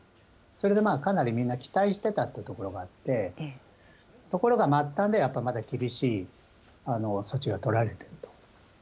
それでかなりみんな期待してたってところがあって、ところが末端ではやっぱりまだ厳しい措置が取られていると。